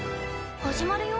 始まるよ。